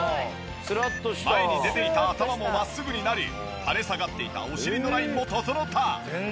前に出ていた頭も真っすぐになり垂れ下がっていたお尻のラインも整った。